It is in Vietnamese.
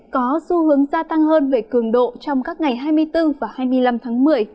có xu hướng gia tăng hơn về cường độ trong các ngày hai mươi bốn và hai mươi năm tháng một mươi